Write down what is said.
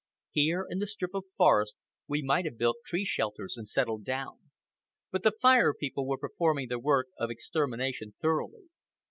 Here, in the strip of forest, we might have built tree shelters and settled down; but the Fire People were performing their work of extermination thoroughly.